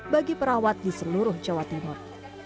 bagi perawat di seluruh jawa timur